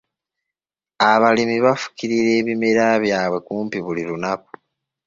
Abalimi bafukirira ebimera byabwe kumpi buli lunaku .